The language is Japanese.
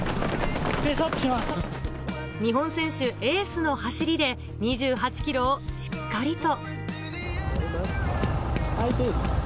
日本選手エースの走りで２８ｋｍをしっかりと。